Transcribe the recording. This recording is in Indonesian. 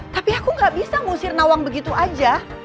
tapi aku gak bisa ngusir nawang begitu aja